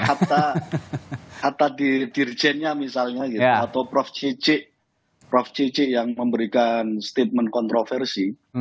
hatta dirjennya misalnya gitu atau prof cicik prof cicik yang memberikan statement kontroversi